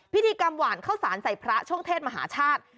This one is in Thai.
พิธีกรรมหวานข้าวสารใส่พระช่วงเทศมหาชาติ